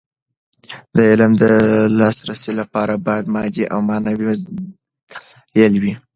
د علم د لاسرسي لپاره باید مادي او معنوي دلايل وي.